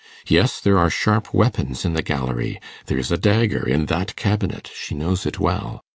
Yes, there are sharp weapons in the gallery. There is a dagger in that cabinet; she knows it well.